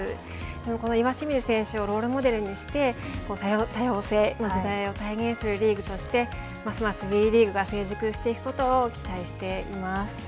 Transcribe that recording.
でも、この岩清水選手をロールモデルにして多様性の時代を体現するリーグとしてますますＷＥリーグが成熟していくことを期待しています。